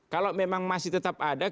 kalau memang masih tetap ada